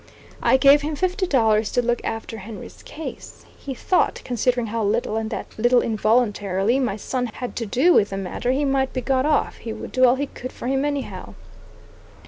I gave him fifty dollars to look after Henry's case. He thought, considering how little, and that little involuntarily, my son had to do with the matter, he might be got off; he would do all he could for him anyhow.